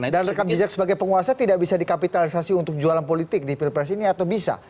dan rekap merasa sebagai penguasa tidak bisa dikapitalisasi untuk jualan politik di pilpres ini atau bisa